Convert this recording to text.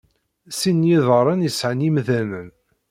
Sin n yiḍaṛṛen i sɛan yemdanen.